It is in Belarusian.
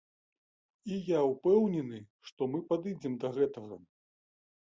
І я ўпэўнены, што мы падыдзем да гэтага.